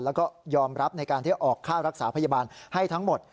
แล้วก็ยอมรับในการที่ออกค่ารักษาพยาบาลให้ทั้งหมด